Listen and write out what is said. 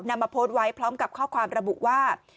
มาโพสต์ไว้พร้อมกับข้อความระบุว่า